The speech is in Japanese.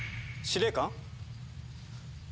司令官⁉